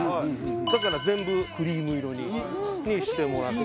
だから全部クリーム色にしてもらって。